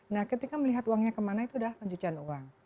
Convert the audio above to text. nah ketika melihat uangnya kemana itu adalah pencucian uang